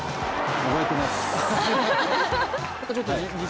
覚えてます。